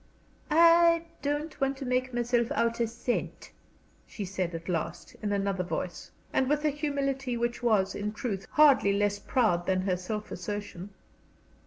"I don't want to make myself out a saint," she said, at last, in another voice and with a humility which was, in truth, hardly less proud than her self assertion.